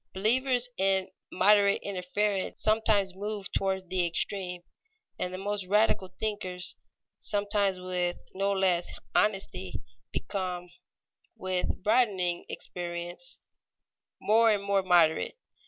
Believers in moderate interference sometimes move toward the extreme, and the most radical thinkers, sometimes with no less honesty, become, with broadening experience, more and more moderate.